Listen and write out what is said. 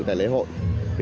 tại lễ hội